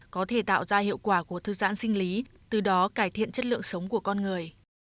có thể tạo ra hiệu quả của thư giãn sinh lý từ đó cải thiện chất lượng sống của con người